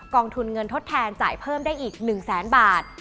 องทุนเงินทดแทนจ่ายเพิ่มได้อีก๑แสนบาท